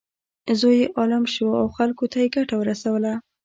زوی یې عالم شو او خلکو ته یې ګټه ورسوله.